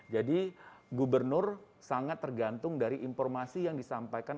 jadi gubernur sangat tergantung dari informasi yang disampaikan